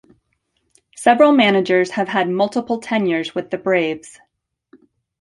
Several managers have had multiple tenures with the Braves.